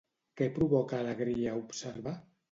Què provoca alegria observar?